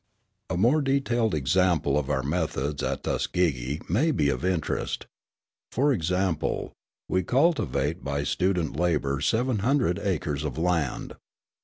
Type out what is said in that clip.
A more detailed example of our methods at Tuskegee may be of interest. For example, we cultivate by student labour seven hundred acres of land.